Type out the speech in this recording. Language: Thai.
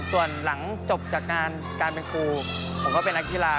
ส่วนหลังจบจากการเป็นครูผมก็เป็นนักกีฬา